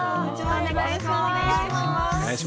お願いします。